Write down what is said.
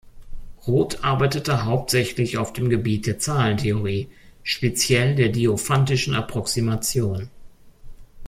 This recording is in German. Roth arbeitete hauptsächlich auf dem Gebiet der Zahlentheorie, speziell der diophantischen Approximation.